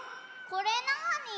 これなあに？